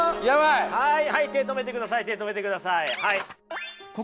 はい手止めてください手止めてください。